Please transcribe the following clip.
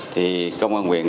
thì công an huyện